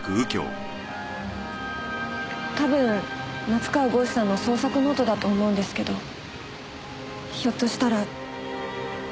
多分夏河郷士さんの創作ノートだと思うんですけどひょっとしたら。